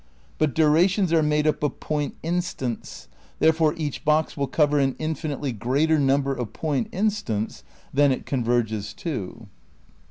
But durations are made up of point instants; therefore each "box" will cover an infinitely greater number of point instants than it converges to.